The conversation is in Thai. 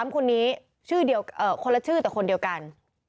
๓คนนี้คนละชื่อแต่คนเดียวกัน